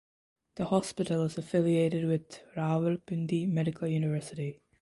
The hospital is affiliated with Rawalpindi Medical University.